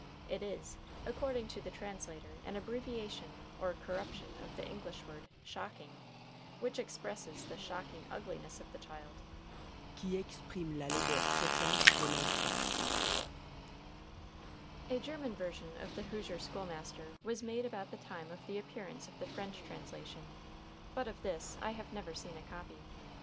It is, according to the translator, an abbreviation or corruption of the English word "shocking," which expresses the shocking ugliness of the child "qui exprime la laideur choquante de l'enfant." A German version of "The Hoosier School Master" was made about the time of the appearance of the French translation, but of this I have never seen a copy.